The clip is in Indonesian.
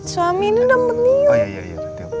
suami ini udah meniup